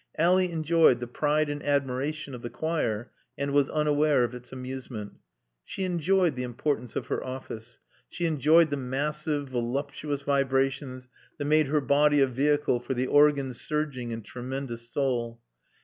Ally enjoyed the pride and admiration of the choir and was unaware of its amusement. She enjoyed the importance of her office. She enjoyed the massive, voluptuous vibrations that made her body a vehicle for the organ's surging and tremendous soul.